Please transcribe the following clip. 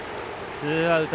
ツーアウト。